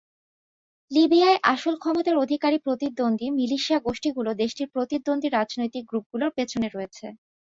লিবিয়ার আসল ক্ষমতার অধিকারী প্রতিদ্বন্দ্বী মিলিশিয়া গোষ্ঠীগুলো দেশটির প্রতিদ্বন্দ্বী রাজনৈতিক গ্রুপগুলোর পেছনে রয়েছে।